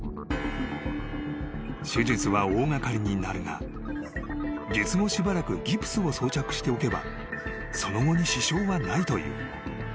［手術は大掛かりになるが術後しばらくギプスを装着しておけばその後に支障はないという］